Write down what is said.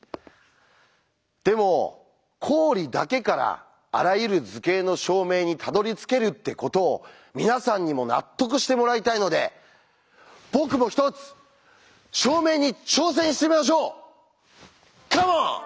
でも公理だけからあらゆる図形の証明にたどりつけるってことを皆さんにも納得してもらいたいので僕も１つ証明に挑戦してみましょうカモン！